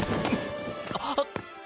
あっ。